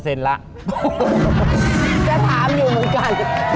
จะถามอยู่เหมือนกัน